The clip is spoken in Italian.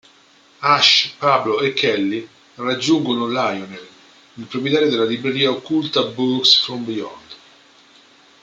Ash, Pablo e Kelly raggiungono Lionel, il proprietario della libreria occulta "Books from Beyond".